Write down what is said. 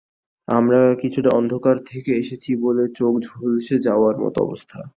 আমরা কিছুটা অন্ধকার থেকে এসেছি বলে চোখ ঝলসে যাওয়ার মতো অবস্থা।